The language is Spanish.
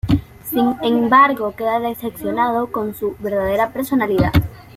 Sin embargo, queda decepcionado con su verdadera personalidad.